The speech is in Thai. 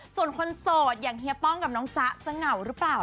ส่วนคนโสดอย่างเฮียป้องกับน้องจ๊ะจะเหงาหรือเปล่า